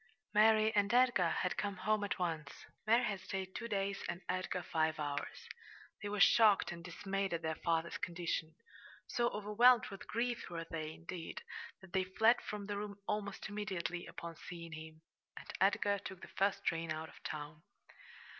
Mary and Edgar had come home at once. Mary had stayed two days and Edgar five hours. They were shocked and dismayed at their father's condition. So overwhelmed with grief were they, indeed, that they fled from the room almost immediately upon seeing him, and Edgar took the first train out of town.